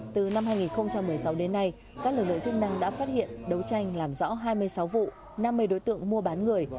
từ năm hai nghìn một mươi sáu đến nay các lực lượng chức năng đã phát hiện đấu tranh làm rõ hai mươi sáu vụ năm mươi đối tượng mua bán người